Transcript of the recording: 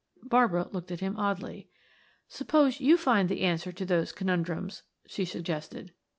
Barbara looked at him oddly. "Suppose you find the answer to those conundrums," she suggested.